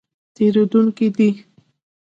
تېرېدونکی دی